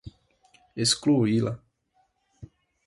excluí-la